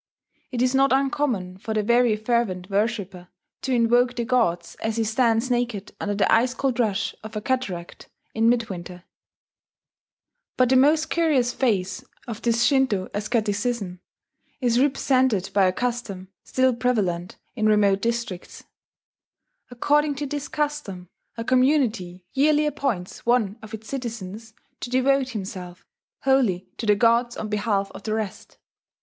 It is not uncommon for the very fervent worshipper to invoke the gods as he stands naked under the ice cold rush of a cataract in midwinter .... But the most curious phase of this Shinto asceticism is represented by a custom still prevalent in remote districts. According to this custom a community yearly appoints one of its citizens to devote himself wholly to the gods on behalf of the rest.